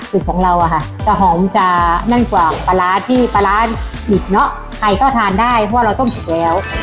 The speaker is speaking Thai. สูตรของเราอ่ะค่ะจะหอมจะนั่นกว่าปลาร้าที่ปลาร้าอีกเนอะ